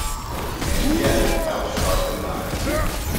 And yet - how sharp an eye!